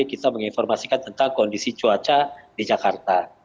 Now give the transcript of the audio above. kita menginformasikan tentang kondisi cuaca di jakarta